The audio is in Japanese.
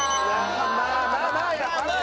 まあまあまあまあ。